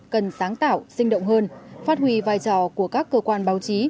cần sáng tạo sinh động hơn phát huy vai trò của các cơ quan báo chí